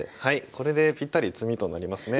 これでぴったり詰みとなりますね。